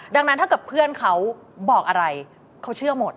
ดังนั้นถ้าเกิดเพื่อนเขาบอกอะไรเขาเชื่อหมด